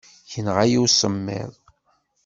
Inɣa-yi usemmiḍ.